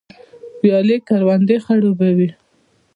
ویالې کروندې خړوبوي